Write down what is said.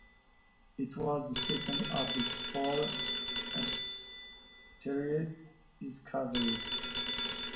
It was the second of his four asteroid discoveries.